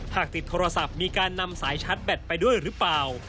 หากติดโทรศัพท์มีการนำสายชาร์จแบตไปด้วยหรือเปล่า